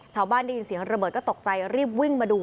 ได้ยินเสียงระเบิดก็ตกใจรีบวิ่งมาดู